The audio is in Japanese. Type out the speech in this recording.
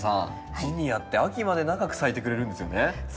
ジニアって秋まで長く咲いてくれるんですよね。